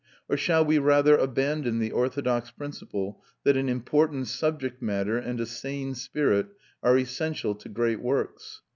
Or shall we rather abandon the orthodox principle that an important subject matter and a sane spirit are essential to great works?